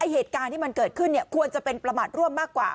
เหตุการณ์ที่มันเกิดขึ้นควรจะเป็นประมาทร่วมมากกว่า